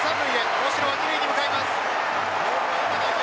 大城は二塁に向かいます。